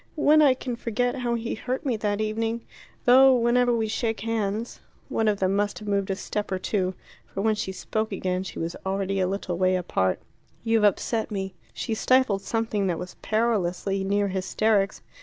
When I can forget how he hurt me that evening. Though whenever we shake hands " One of them must have moved a step or two, for when she spoke again she was already a little way apart. "You've upset me." She stifled something that was perilously near hysterics.